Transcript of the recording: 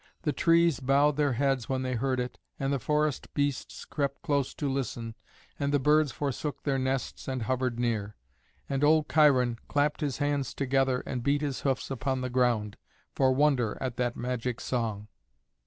The trees bowed their heads when they heard it, and the forest beasts crept close to listen, and the birds forsook their nests and hovered near. And old Cheiron clapped his hands together and beat his hoofs upon the ground, for wonder at that magic song.